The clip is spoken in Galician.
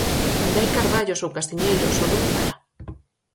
Onde hai carballos ou castiñeiros o lume para.